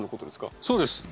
そうです。